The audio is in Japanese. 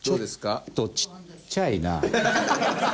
ちょっとちっちゃいな。